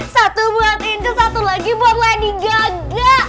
satu buat indra satu lagi buat lady gaga